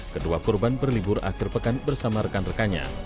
kedua korban berlibur akhir pekan bersama rekan rekannya